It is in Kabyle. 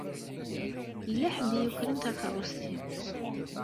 Yella ḥedd i yukren takeṛṛust-iw.